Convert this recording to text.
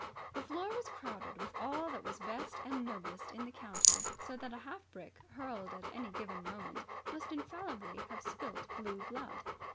The floor was crowded with all that was best and noblest in the county; so that a half brick, hurled at any given moment, must infallibly have spilt blue blood.